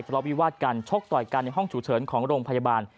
ละวิวาดกันชกต่อยกันในห้องฉุกเฉินของโรงพยาบาล